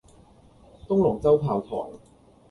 東龍洲炮台